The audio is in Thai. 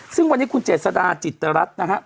ซึ่งวันนี้คุณเจษฎาจิตรรัฐนะครับ